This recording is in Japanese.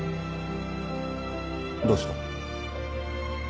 どうした？